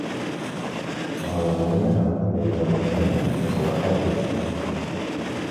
M'agradaria anar al carrer del Cometa sense agafar el cotxe.